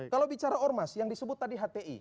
kalau bicara ormas yang disebut tadi hti